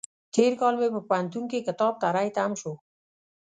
تېر کال مې په پوهنتون کې کتاب تری تم شو.